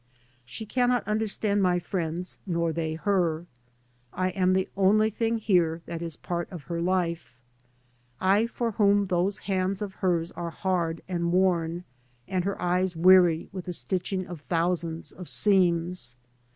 She cannot understand my friends, nor they her. I am the only thing here that is part of her life. I for whom those hands of hers are hard and worn, and her eyes weary with the stitching of thousands of seams.